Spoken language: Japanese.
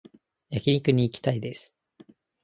焼肉に行きたいです